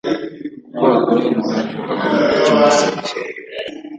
kuko wakoreye umugaragu wawe icyo ngusabye.